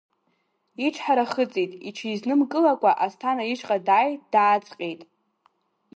Ичҳара хыҵит, иҽизнымкылакәа, Асҭана ишҟа дааи дааҵҟьеит…